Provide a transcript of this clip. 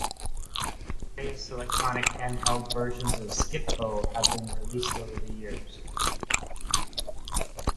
Various electronic handheld versions of Skip-Bo have been released over the years.